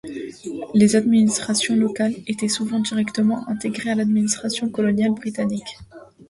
Les administrations locales étaient souvent directement intégrées à l'administration coloniale britannique.